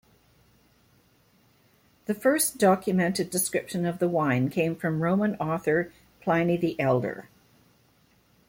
The first documented description of the wine came from Roman author Pliny the Elder.